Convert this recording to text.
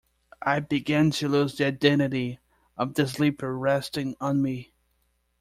I began to lose the identity of the sleeper resting on me.